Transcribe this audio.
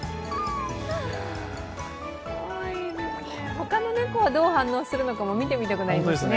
他の猫はどう反応するのか見てみたいですね。